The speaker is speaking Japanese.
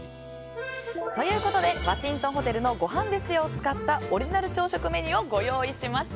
ワシントンホテルのごはんですよ！を使ったオリジナル朝食メニューをご用意しました。